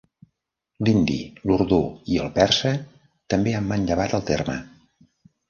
L'hindi, l'urdú i el persa també han manllevat el terme.